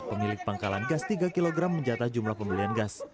pemilik pangkalan gas tiga kg menjata jumlah pembelian gas